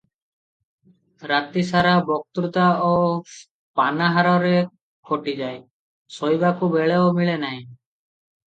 ରାତି ସାରା ବକ୍ତୃତା ଓ ପାନାହାରରେ କଟିଯାଏ, ଶୋଇବାକୁ ବେଳ ମିଳେ ନାହିଁ ।